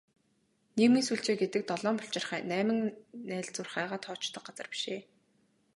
Нийгмийн сүлжээ гэдэг долоон булчирхай, найман найлзуурхайгаа тоочдог газар биш ээ.